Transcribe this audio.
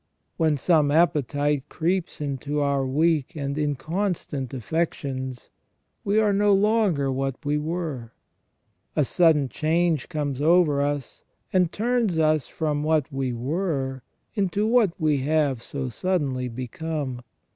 When some appetite creeps into our weak and inconstant affec tions, we are no longer what we were. A sudden change comes over us and turns us from what we were into what we have so suddenly become.